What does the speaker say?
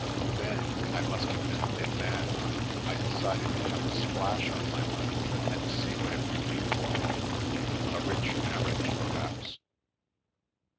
Then — I must have been a bit mad — I decided to have a splash on my money and see what it would do for me — a rich marriage, perhaps.